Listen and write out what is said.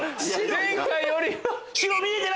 前回よりは。